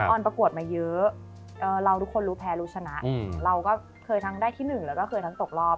อนประกวดมาเยอะเราทุกคนรู้แพ้รู้ชนะเราก็เคยทั้งได้ที่๑แล้วก็เคยทั้งตกรอบ